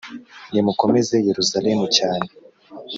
nimukomeze Yeruzalemu cyane